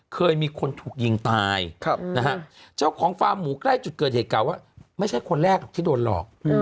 เคยมีคนถูกยิงตายนะฮะเจ้าของฟาร์มหมูใกล้จุดเกิดเหตุกล่าวว่าไม่ใช่คนแรกหรอกที่โดนหลอก